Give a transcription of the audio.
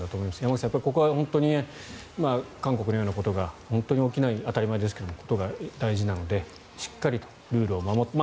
山口さん、ここは本当に韓国のようなことが当たり前ですが起きないことが大事なのでしっかりとルールを守って。